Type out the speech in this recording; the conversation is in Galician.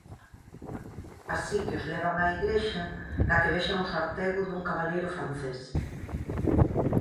Así que os levan á igrexa para que vexan o sartego dun cabaleiro francés.